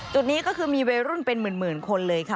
จุดนี้ก็คือมีวัยรุ่นเป็นหมื่นคนเลยค่ะ